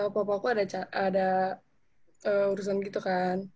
pokok pokok ada urusan gitu kan